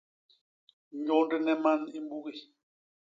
Nyôndne i man i mbugi.